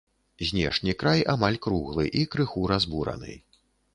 Знешні край амаль круглы і крыху разбураны.